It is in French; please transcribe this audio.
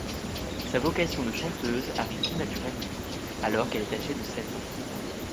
Sa vocation de chanteuse arrive tout naturellement, alors qu'elle est âgée de seize ans.